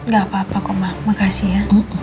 gak apa apa kok mbak makasih ya